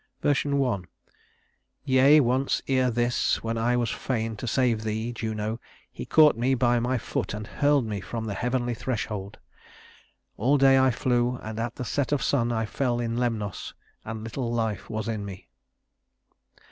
(1) "Yea once ere this, when I was fain to save thee (Juno), he caught me by my foot and hurled me from the heavenly threshold. All day I flew, and at the set of sun I fell in Lemnos, and little life was in me."